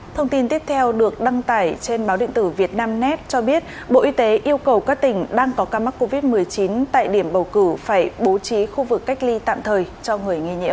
thông tin tiếp theo được đăng tải trên báo điện tử việt nam net cho biết bộ y tế yêu cầu các tỉnh đang có ca mắc covid một mươi chín tại điểm bầu cử phải bố trí khu vực cách ly tạm thời cho người nghi nhiễm